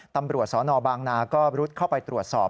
ตำรวจสนบางนาก็รุดเข้าไปตรวจสอบ